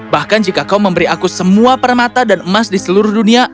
bahkan jika kau memberi aku semua permata dan emas di seluruh dunia